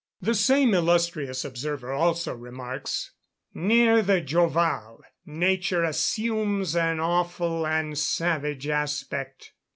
The same illustrious observer also remarks, "Near the Joval, nature assumes an awful and savage aspect.